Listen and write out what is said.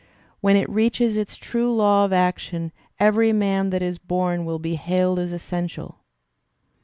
When it reaches its true law of action, every man HI b """ that is bom will be hailed as essential.'